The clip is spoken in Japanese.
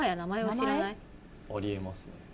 あり得ますね。